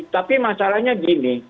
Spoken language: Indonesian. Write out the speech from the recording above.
tapi masalahnya gini turunnya